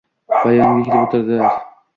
Va yonimga kelib o’ltirar